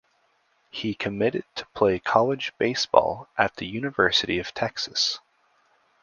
He committed to play college baseball at the University of Texas.